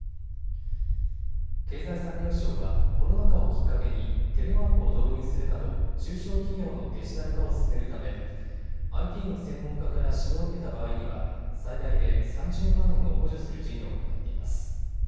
経済産業省はコロナ禍をきっかけにテレワークを導入するなど中小企業のデジタル化を進めるためＩＴの専門家から指導を受けた場合には最大で３０万円を補助する事業を行っています。